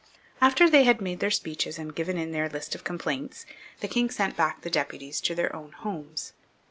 After they had made their speeches and given in their list of complaints, the king sent back the deputies to their own homes.